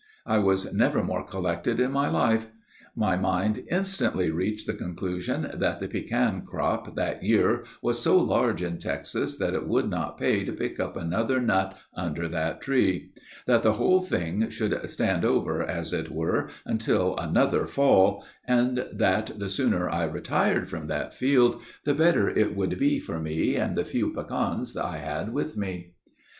I was never more collected in my life. My mind instantly reached the conclusion that the pecan crop that year was so large in Texas that it would not pay to pick up another nut under that tree; that the whole thing should stand over, as it were, until another fall, and that, the sooner I retired from that field, the better it would be for me and the few pecans I had about me.